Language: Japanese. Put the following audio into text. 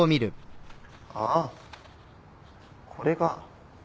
ああこれか？